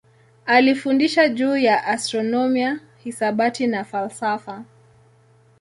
Alifundisha juu ya astronomia, hisabati na falsafa.